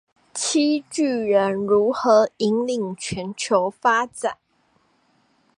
七巨人如何引領全球發展